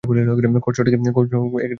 করছটা কী তুমি?